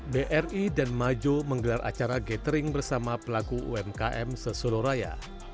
bri dan majo menggelar acara gathering bersama pelaku umkm seseluruh raya